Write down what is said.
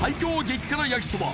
激辛やきそば